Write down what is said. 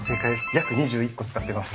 約２１個使ってます。